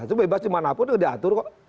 itu bebas dimanapun itu diatur kok